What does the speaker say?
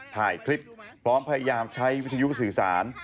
ถ่ายคลิปพร้อมพยายามใช้วิทยุสื่อสาร